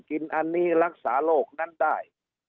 กินอันนี้รักษาโรคนั้นได้